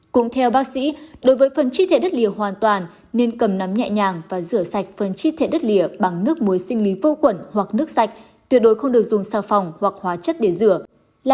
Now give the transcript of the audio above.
cũng theo bác sĩ đối với phần chi thể đứt lìa hoàn toàn nên cầm nắm nhẹ nhàng và rửa sạch phần chi thể đứt lìa bằng nước muối sinh lý vô quẩn hoặc nước sạch tuyệt đối không được dùng sà phòng hoặc hóa chất để rửa